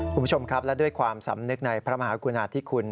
คุณผู้ชมครับและด้วยความสำนึกในพระมหากุณาธิคุณ